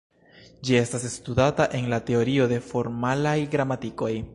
Ĝi estas studata en la Teorio de formalaj gramatikoj.